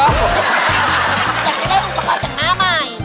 ไม่ให้ได้อุปกรณ์แต่งหน้าใหม่